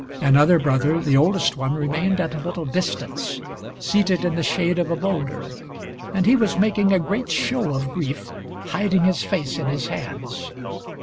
Another brother, the oldest one, remained at a little distance, seated in the shade of a bowlder; and he was making a great show of grief, hiding his face in his hands.